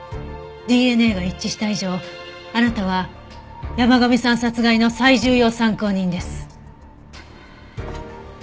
ＤＮＡが一致した以上あなたは山神さん殺害の最重要参考人です。